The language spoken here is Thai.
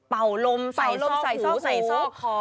เป่าลมใส่ซอกหูใส่ซอกคอ